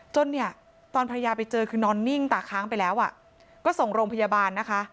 จนเนี่ยตอนภรรยาไปเจอคือนอนนิ่งตาค้างไปแล้วก็ส่งโรงพยาบาลนะคะ